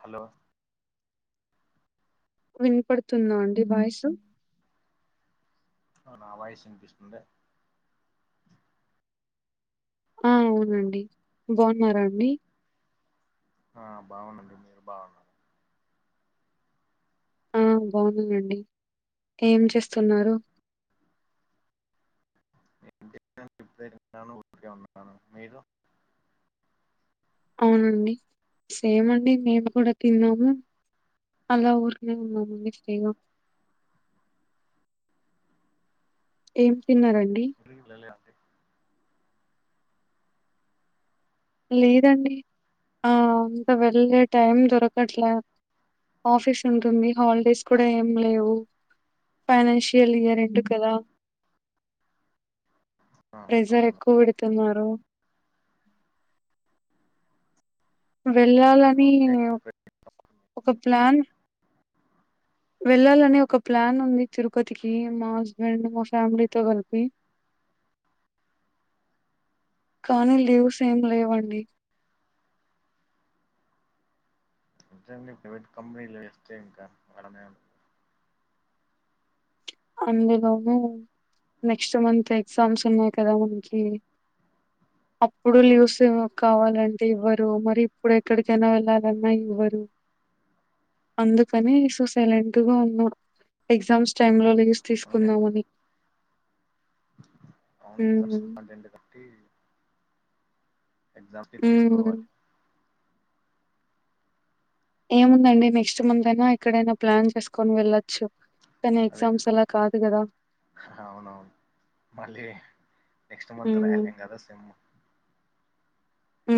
Hollow. వినపడుతుంద అండి voice అ నా వాయిసు వినిపిస్తుంద ఆ అవునండి బాగున్నారా అండి ఆ బాగున్నామండి మీరు బాగున్నార ఆ బాగున్నాను అండి ఏం చేస్తున్నారు [inaudible] మీరు అవునండి సేమ్ అండి మేము కూడా తిన్నాము అలా ఊరుకినే ఉన్నాము ఫ్రీ గా ఏం తిన్నారండి ఇంటికి వెళ్లలేద అండి లేదండి ఆ ఇంకా వెళ్ళే టైం దొరకట్లే ఆఫీస్ ఉంటుంది హాలిడేస్ కూడా ఏం లేవు ఫైనాన్షియల్ ఇయర్ఎండ్ కదా ఆ ప్రెజర్ అవును ఎక్కువ పెడుతున్నారు వెళ్ళాలని అంటే ఒక ప్లాన్ వెళ్ళాలనీ ఒక ఒక ప్లాన్ ఉంది తిరుపతికి మా హస్బెండ్ మా ఫ్యామిలీతో కలిపి కానీ లీవ్స్ ఏం లేవండి ప్రైవట్ కంపెనీ [inaudible] అందులోనూ నెక్స్ట్ మంత్ ఎగ్జామ్స్ ఉన్నాయి కదా మనకి అ అప్పుడు లీవ్స్ కావాలి వెంటే ఇవ్వరు మరి ఇప్పుడు ఎక్కడికైనా వెళ్ళాలన్నా ఇవ్వరు అందుకని సో సైలెంట్ గా ఉన్నా ఎగ్జామ్స్ టైమ్ లో లీవ్స్ అవును తీసుకుందామని అవును ఎగ్జామ్స్ హ్మ్ పడింది కాబాట్టి ఎగ్జామ్ కి హ్మ్ తీసుకోవాలి ఏముందండి నెక్స్ట్ మంత్ అయినా ఎక్కడైనా ప్లాన్ చేసుకొని వెళ్లచ్చు కానీ అదే ఎగ్జామ్స్ అలా కాదు కదా అవునవును మళ్ళీ నెక్స్ట్ మంత్ రాయాలి ఎమ్ కదా సెమ్ ఊ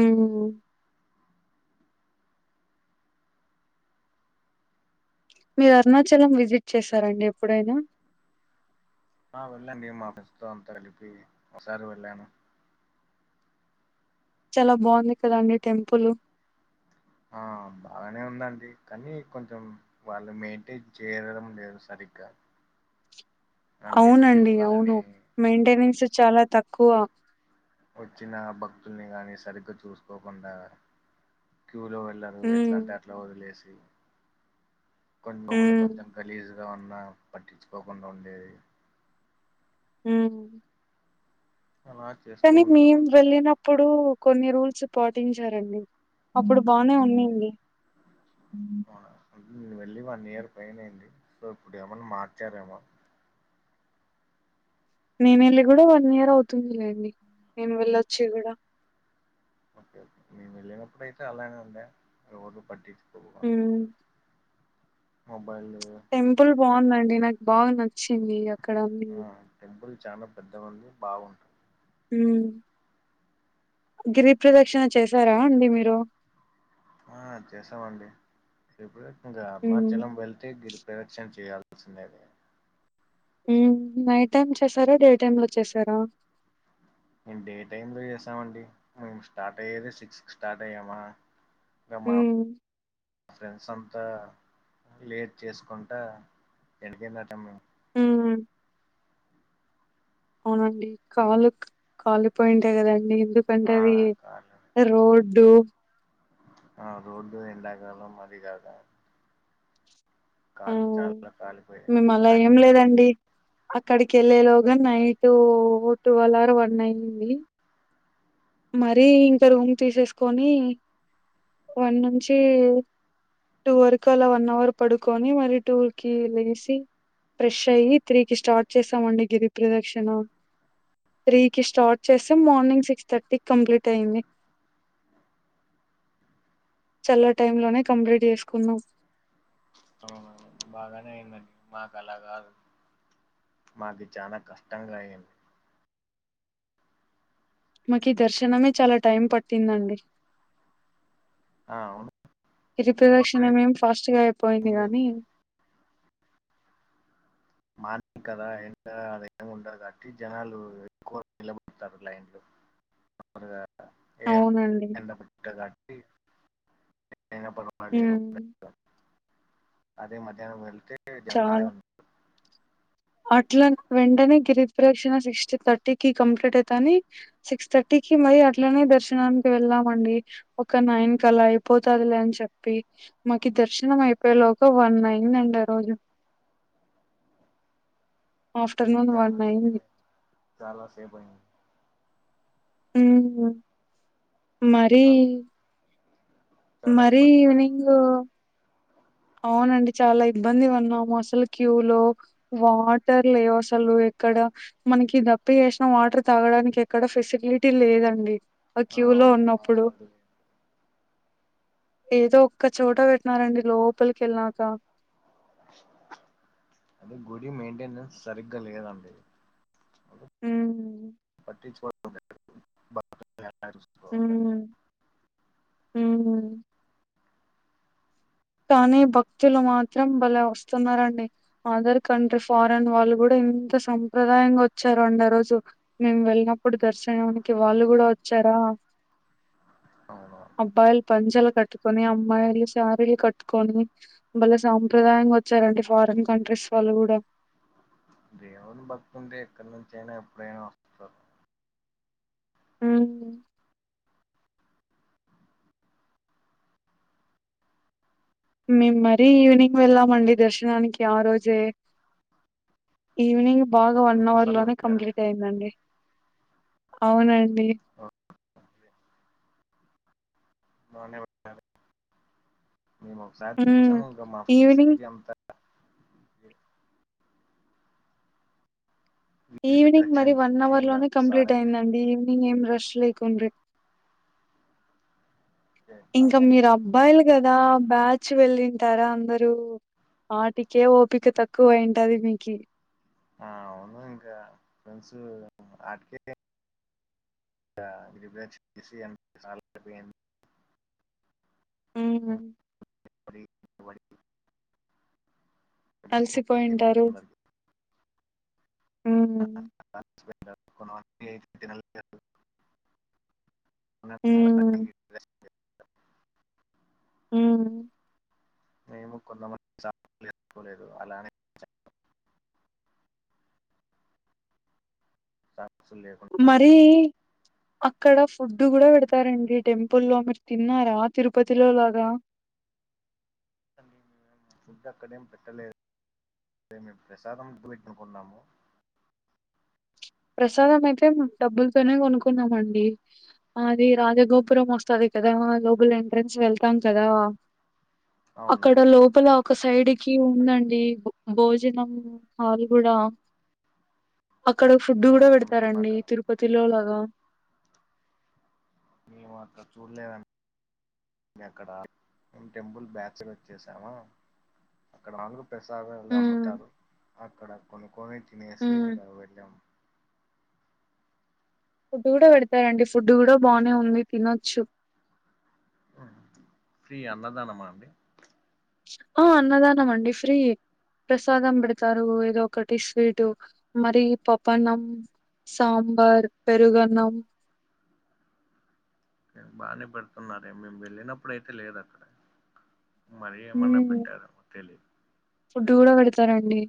మీరు అరుణాచలం విజిట్ చేసారండి ఎప్పుడైనా ఆ వెళ్ళ అండి మాఫ్రెండ్స్ తో అంతా కలిపి ఒకసారి వెళ్ళాను చాలా బాగుంది కదండి టెంపుల్ ఆ బాగానే ఉందండి కానీ కొంచెం వాళ్ళు మెయింటైన్ చేయడం లేదు సరిగ్గ గా అవునండి అవును మెయింటెనెన్స్ చాలా తక్కువ వచ్చిన భక్తుల్ని గానీ సరిగ్గా చూసుకోకుండా క్యూ లో వెళ్లరు హ్మ్. ఎట్లా అంటే అట్లా వదిలేసి కొన్నీ రూములు హ్మ్. కొంచెం గలీజు ఉన్నా పట్టించుకోకుండా ఉండేది ఉ అలా చేస్తూ కానీ మేం ఉంటారు వెళ్ళినప్పుడు కొన్ని రూల్ రూల్స్ పాటించారండి అప్పుడు బానే ఉన్నింది అవునా అంటే నేను వెళ్ళి వన్ ఇయర్ పైన అయింది సో ఇప్పుడు ఏమైన్నా మార్చారేమో నేన వెళ్ళి కూడా వన్ ఇయర్ అవుతుందిలేండి నేను వెళ్ళొచ్చి కూడా ఓకే ఓకే మేము వెళ్ళినప్పుడు అయితే అలానే ఉండడి రోడ్డు పట్టి హ ఏం టెంపుల్ బాగుందండి నాకు బాగా నచ్చింది అక్కడన్న టెంపుల్ చాలా పెద్ద ఉంది బాగుంటంది గిరిప్రదక్షిణ చేశారా అండి మీరు ఆ చేసామండి ఇప్పుడు ఇంకా హ్మ్. అరుణాచలం వెళ్తే గిరిపరిరక్షణ చేయాలి పసునేదే నైట్ టైమ్ చేసారా డే టైమ్ లో చేసారా మేము డే టైమ్ లో చేసామండి మేము స్టార్ట్ అయ్యేది సిక్స్ క స్టార్ట్ అయ్యామా మా హ్మ్. ఫ్రెండ్స్ అంత లేట్ చేసుకుంటా ఎండ కి ఆ అవునండి కాలు కలుిపోయింటే కదండి ఎందుకు ఆ కాలి రోడ్డు ఆ రోడ్ ఎండ కాలంఅరిగాదా ఆ కాలు చాలా కాలిపోయాయి మేము అలా కానీ ఏం ఇంకా లేదండి అక్కడికి వెళ్ళేలోగా నైట్ ట్వోల్ఆర్ వన్ అయింది మరీ ఇంకా రూమ్ తీసేసుకొని వన్ నుంచి టూ వరకు అలా వన్ అవర్ పడుకొని మరి టూ కి లేసిి ఫ్రెష్ అయ్యి త్రీకి స్టార్ట్ చేసామండి గిరిప్రదక్షిణ త్రీ కి స్టార్ట్ చేస్తే మార్నింగ్ సిక్స్ థర్టీ కంప్లీట్ అయింది చల్ల టై లోనే కంప్లీట్ చేసుకున్నా అవున బాగానే అయింది మాకు అలా కాదు మాకు చాలా కష్టం అయింది మాకు ఈ దర్శనమే చాలా టైం పట్టిందండి ఆ అవును ఇరి ప్రదక్షిణమేమి ఫస్ట్ గా అయిపోయింది గానీ మార్నింగ్ కదా ఎండ అద ఏమి ఉండదు కా అట్టి జనాలు ఎక్కువ నిలబడతారు లైన్ లో అడుగా ఏ అవునండి. ఎండ పె కాటి ప హ్మ్ అదే మధ్యాహనం వెళ్తే జనాలే చాలా ఉంది అట్లా వెంటనే గిరిప్రదక్షణ సిక్స్ థర్టీ కి కంప్లీట్ అయితని సిక్స్ థర్టీ ఇటికి అట్లనే దర్శనానికి వెళ్ళాం అండి ఒక నయన్ క అలా అయిపోతుదిలే అని చెప్పి మాకి దర్శనం అయిపోయేలోగా వన్ అయిందండి ఆ రోజు ఆఫ్టర్నూన్ చాల వన్ అయింది. సేపు చాల సేపు అయింది ఊహు మరీ చాలా చాలా మరీ ఇబ్బంది పడి ఈవినింగు ఉంటారు అవునండి చాలా ఇబ్బందిగా ఉన్నాం అసలు క్యూ లో వాటర్ లేవ్ అసలు ఇక్కడ మనకి దప్పికి చేసిన వాటర్ తాగడానికి ఎక్కడ ఫెసిలిటీ లేదండి ఆ క్యూ లో అవును ఉన్నప్పుడు వాటర్ ఏదో ఒక్క చోట పెట్టినారండి లోపలికి వెళ్లినాక అది గుడి మెయింటెనన్స్ సరిగ్గా లేదంట ఉ ా [unintelligible] ఊ ఊ కానీ భక్తులు మాత్రం బలే వస్తున్నారండి అదర్ కంట్రీ ఫారెన్ వాళ్ళు కూడా ఇ ఎంత సంప్రదాయంగ ఒచ్చారోండి ఆ రోజు మేము వెళ్ళినప్పుడు దర్శనానికి వాళ్ళు గూడా ఒచ్చారు దా అవును అబ్బాయిలు పంచెలు కట్టుకుని అమ్మాయిలు సారీలు కట్ కొని బలె సాంప్రదాయంగొచ్చారండి ఫారిన్ కంట్రీస్ వాళ్ళు గుడా దేవుని భక్తుంటే ఎక్కడ్ నుంచైన ఎప్డైన ఒస్తారు ఊం మేం మరీ ఈవినింగ్ వెళ్ళామండి దర్శనానికి ఆ రోజే ఈవినింగ్ బాగా వన్ అవర్ ఎన్నిసార్లు లోనే వెళ్ళారా కంప్లీట్ మీరు అయిందండి అవునండి బానే ఒచ్చారు మేం ఒకసారి హ్మ్ చూసాం అంకో మా ఈవినింగ్ సిటీ అంత [inaudible] వీధిపై ఈవినింగ్ రక్షణ మరి వన్ చేసి అవర్ ఇంకా లోనే కంప్లీట్ సాలైపోయింది అయిందండి ఈవినింగ్ ఏం రష్ లే కుండ్రి ఇంక బాగా అయినా మీర్ అబ్బాయిలు గదా బ్యాచ్ వెళ్ళింటారా అందరూ ఆటికే ఓపిక తక్కువైంటది మీకి ఆ అవును ఇంకా ఫ్రెండ్స్ ఆటికే [unintelligible] హ్మ్ మ్ [unintelligible] [unintelligible] వడి వడితో అయిపోయింది అలసిపోయుంటారు అందరికీ. ఊం ఆ, [unintelligible] అయితే తినాలనిపియదు మ్ మ్ మేము కొందమంది షాప్ నేర్చుకోలేదు అలానే ఒచ్చాము స మరీ అక్కడ ఫు డ్ గుడ బెడతారండి టెంపుల్లో మీరు తిన్నారా తిరుపతి లో లాగా ఫుడ్ అక్కడేం పెట్టలేదు మే మేం ప్రసాదం పెట్నుకున్నాము ప్రసాదం అయితే మెమ్ డబ్బుల్తోనే కొనుకున్నామండి ఆది రాజగోపురం ఒస్తాది కదా లోబల ఎంట్రెన్స్ వెళ్తాం కదా అవును అక్కడ లోపల ఒక సైడ్ కి ఉందండి బ్ భోజనం హాల్ గూడా అక్కడ ఫుడ్ గుడ అవునా మేము బెడతారండి అక్కడ తిరుపతి లో లాగా మేము అక్క చూడ్లేదండి అక్కడ టెంపుల్ బ్యాక్సైడ్ ఒచ్చేసాను అక్కడ [unintelligible] ప్రసాదాలు హ్మ్. అమ్ముతారు అక్కడ కొనుకొని తినేసి హ్మ్. ఇంకా వెళ్ళాము ఫుడ్ కూడ పెడతారండి ఫుడ్ కూడ బానే ఉంది తినొచ్చు ఫ్రీ అన్నదానమా అండి ఆ అన్నదాన మండి ఫ్రీ ప్రసాదం బెడతారు ఏదో ఒకటి స్వీటు మరి పప్పన్నం సాంబార్ పెరుగన్నం చిక్ బానే పెడుతున్నారే మేము వెళ్ళినప్పుడుయితే లేదు అక్కడ మరీ ఏమన్నా మ్మ్, పెట్టారామో తెలీదు ఫుడ్ గూడ బెడతారండి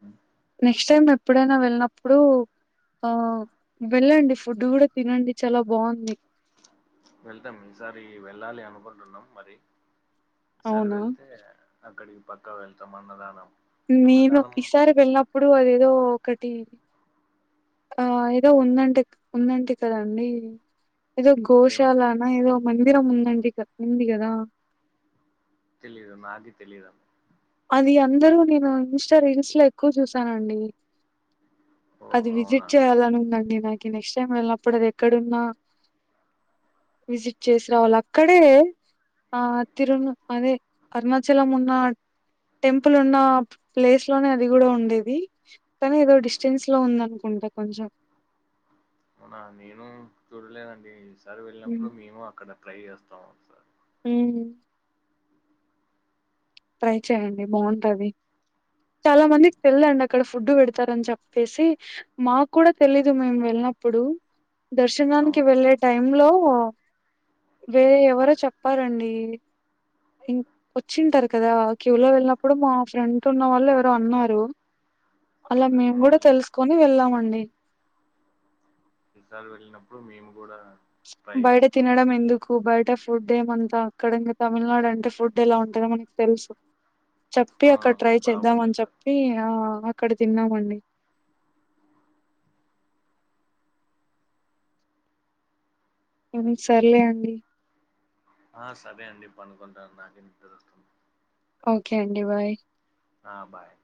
మ్ నెక్స్ట్ టైమ్ ఎప్పుడైనా వెళ్ళినప్పుడు ఆ వెళ్ళండి ఫుడ్ గూడ తినండి చాలా బాఉంది వెళ్తాం ఈసారి వెళ్ళాలి అనుకుంటున్నాం మరి ఈసరి అవునా వెళ్తే అక్కడికి పక్కా వెళ్తాం అన్నదానం నేను అన్నదానం ఈసారి వెళ్ళినప్పుడు అదేదో ఒకటి ఆ ఏదో ఉందంటే ఉందంట కదండి ఏదో ఏమిటని గోశాలనా ఏదో మందిరం ఉందండి క ఉంది కదా తెలిదు నాది తెలిదాన్న అది అందరూ నేను ఇన్స్టా రీల్స్ లో ఎక్కువ చూసానండి ఓ అది విజిట్ అవునా చేయాలని ఉందండి నాకి నెక్స్ట్ టైమ్ వెళ్ళనప్పుడు అది ఎక్కడున్నా విజిట్ చేసి రావలి అక్కడే ఆ తిరు అదే అరుణాచలం ఉన్నా టెంపుల్ ఉన్న ప్లేస్ లోనే అది కూడా ఉండేది కానీ ఏదో డిస్టెన్స్ లో ఉందనుకో కుంట కొంచెం అవునా నేను చూడలేదండి ఈసారి వెళ్ళినప్పుడు మేము అక్కడ ట్రై చేస్తాం హ్మ్మ్ ట్రై చే్యడి బాగుంటది చాలా మందికి తెల్దండి అక్కడ ఫుడ్ పెడతారని చెప్పేసి మాకు కూడా తెలీదు మేము వెళ్ళ అప్పుడు దర్శనానికి అవును వెళ్ళే టైమ్ లో వేరు ఎవరో ఓకే చెప్పారండి ఇం వచ్చింటారు కదా క్యూ లో వెళ్ళినప్పుడు మా ఫ్రంట్ ఉన్న వాళ్ళు ఎవరో అన్నారు అలా ఓకే మేము కూడా అవునులే తెలుసుకొని వెళ్ళామండి ఈసారి వెళ్ళినప్పుడు మేము కూడా ట్రై బయట చేస్తాం తినడం ఎందుకు బయట ఫుడ్ ఏమంతా అక్కడ ఇంకా తమిళనాడు అంటే ఫుడ్ ఎలా ఉంటుందో మనకి తెలుసు చెప్పి అక్కడ అవునవును ట్రై చేద్దాం అని బాగుండట చెప్పి ఆ అక్కడ తిన్నామండి హ్మ్మ్ సరే అండి ఆ సరే అండి పండుకుంటున్న నాకి నిద్రవస్తుంది ఓకే అండి బాయ్ ఆ బాయ్